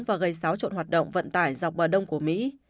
và gây xáo trộn hoạt động vận tải dọc bờ đông của mỹ